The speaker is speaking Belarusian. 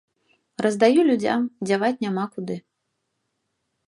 Раздаю людзям, дзяваць няма куды.